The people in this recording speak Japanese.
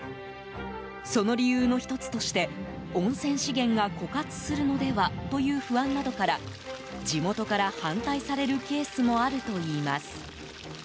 その理由の１つとして温泉資源が枯渇するのではという不安などから地元から反対されるケースもあるといいます。